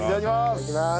いただきます。